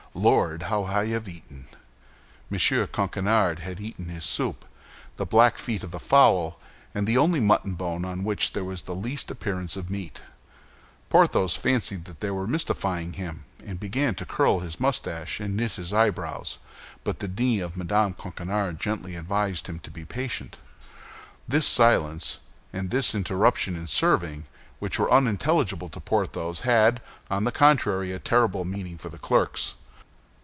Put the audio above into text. Lord, how I have eaten!" M. Coquenard had eaten his soup, the black feet of the fowl, and the only mutton bone on which there was the least appearance of meat. Porthos fancied they were mystifying him, and began to curl his mustache and knit his eyebrows; but the knee of Mme. Coquenard gently advised him to be patient. This silence and this interruption in serving, which were unintelligible to Porthos, had, on the contrary, a terrible meaning for the clerks.